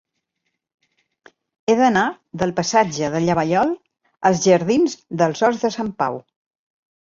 He d'anar del passatge de Llavallol als jardins dels Horts de Sant Pau.